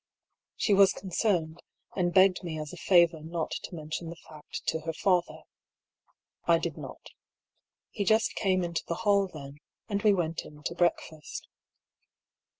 She was concerned, and begged me as a favour not to mention the fact to her father. I did not. He just came into the hall then, jvnd we went in to breakfast.